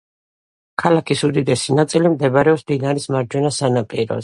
ქალაქის უდიდესი ნაწილი მდებარეობს მდინარის მარჯვენა სანაპიროზე.